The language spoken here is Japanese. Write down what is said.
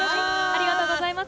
ありがとうございます。